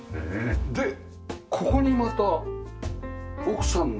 でここにまた奥さんの。